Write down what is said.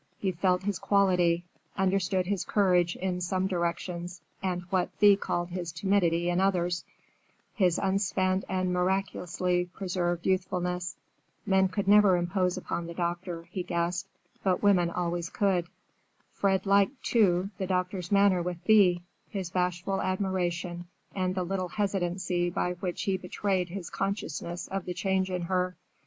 He felt his quality; understood his courage in some directions and what Thea called his timidity in others, his unspent and miraculously preserved youthfulness. Men could never impose upon the doctor, he guessed, but women always could. Fred liked, too, the doctor's manner with Thea, his bashful admiration and the little hesitancy by which he betrayed his consciousness of the change in her.